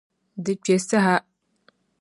Di kpe saha.